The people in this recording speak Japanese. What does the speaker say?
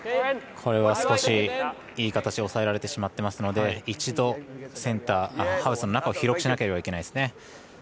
これは少し、いい形押さえられてしまってますので一度ハウスの中を広くしなきゃいけないですね。